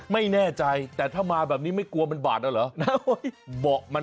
ไม่แน่ใจแต่ถ้ามาแบบนี้ไม่กลัวมันบาดแล้วเหรอ